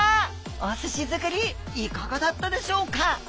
お寿司づくりいかがだったでしょうか？